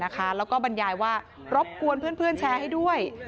แล้วก็บรรยายว่ารบกวนเพื่อนแชร์ให้ด้วย